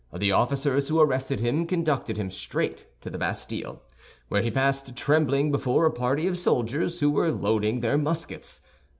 The officers who arrested him conducted him straight to the Bastille, where he passed trembling before a party of soldiers who were loading their muskets.